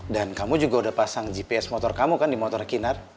dan kamu juga udah pasang gps motor kamu kan di motor kinar